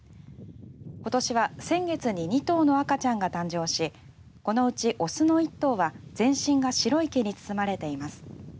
ことしは先月に２頭の赤ちゃんが誕生しこのうち雄の１頭は全身が白い毛に包まれています。